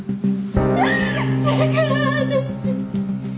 だから私。